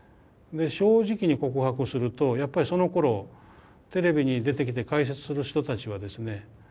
で正直に告白するとやっぱりそのころテレビに出てきて解説する人たちはですね